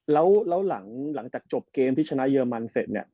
แล้วหลังจากจบเกมที่ชนะเยอรมันเสร็จเนี่ย